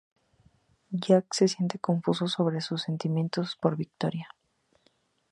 Jack se siente confuso sobre sus sentimientos por Victoria.